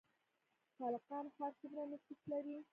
تالقان ښار څومره نفوس لري؟